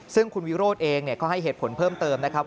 ซึ่งคุณวิโรธเองก็ให้เหตุผลเพิ่มเติมนะครับ